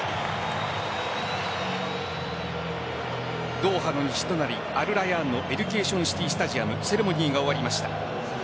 ドーハの西隣アルラヤーンのエデュケーションシティースタジアムセレモニーが終わりました。